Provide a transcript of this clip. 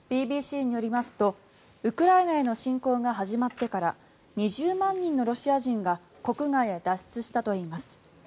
ＢＢＣによりますとウクライナへの侵攻が始まってから２０万人のロシア人が国外へ脱出したといいます。